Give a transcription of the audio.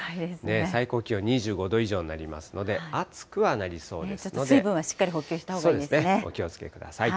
最高気温２５度以上になりますの水分はしっかり補給したほうお気をつけください。